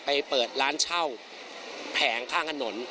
ไปเปิดร้านเช่าแผงข้างถนน